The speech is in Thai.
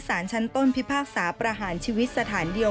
สารชั้นต้นพิพากษาประหารชีวิตสถานเดียว